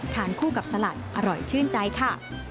คู่กับสลัดอร่อยชื่นใจค่ะ